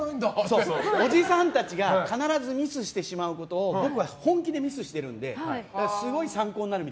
おじさんたちが必ずミスしてしまうことを僕は本気でミスしているのでそうなんです。